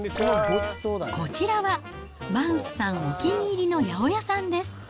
こちらは、マンスさんお気に入りの八百屋さんです。